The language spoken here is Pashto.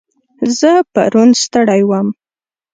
زه پرون ستړی وم.